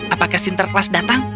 apakah sinterklas datang